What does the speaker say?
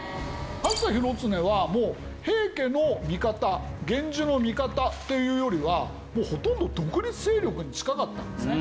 上総広常は平家の味方源氏の味方というよりはほとんど独立勢力に近かったんですね。